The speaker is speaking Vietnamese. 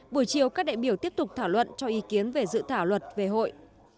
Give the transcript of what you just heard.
buổi chiều các đại biểu tiếp tục thảo luận cho ý kiến về dự thảo luật về hội